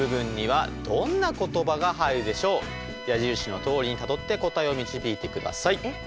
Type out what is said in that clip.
矢印のとおりにたどって答えを導いてください。